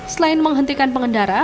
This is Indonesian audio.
selain menghentikan pengendara